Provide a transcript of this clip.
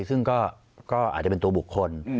ซึ่งก็อาจจะเป็นตัวบุคคล